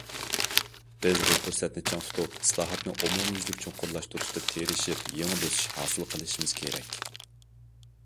بىز بۇ پۇرسەتنى چىڭ تۇتۇپ، ئىسلاھاتنى ئومۇميۈزلۈك چوڭقۇرلاشتۇرۇشتا تىرىشىپ يېڭى بۆسۈش ھاسىل قىلىشىمىز كېرەك.